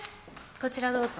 こちらどうぞ。